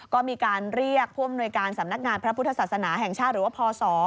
ก็มีการเรียกผู้อำนวยการสำนักงานพระพุทธศาสนาแห่งชาติหรือว่าพศ